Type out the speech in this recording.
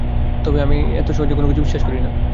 তবে আমি এত সহজে কোনো কিছু বিশ্বাস করি না।